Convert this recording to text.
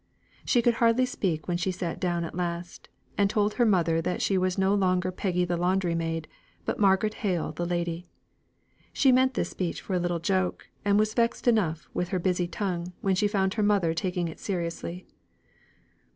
She could hardly speak when she sat down at last, and told her mother that she was no longer Peggy the laundry maid, but Margaret Hale the lady. She meant this speech for a little joke, and was vexed enough with her busy tongue when she found her mother taking it seriously.